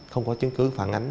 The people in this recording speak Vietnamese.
không có chứng cứ phản ánh